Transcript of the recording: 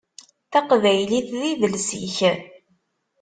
Taqbaylit d idles-ik.